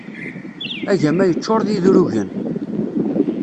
Agama yeččur d idrugen.